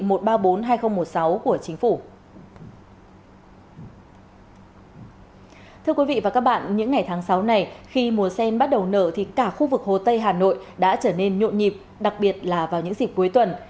mùa sen bắt đầu nở thì cả khu vực hồ tây hà nội đã trở nên nhộn nhịp đặc biệt là vào những dịp cuối tuần